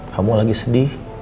kamu lagi sedih